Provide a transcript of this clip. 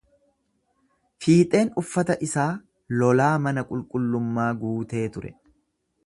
Fiixeen uffata isaa lolaa mana qulqullummaa guutee ture.